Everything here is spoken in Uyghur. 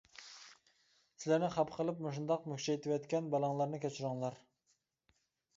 سىلەرنى خاپا قىلىپ مۇشۇنداق مۈكچەيتىۋەتكەن بالاڭلارنى كەچۈرۈڭلار!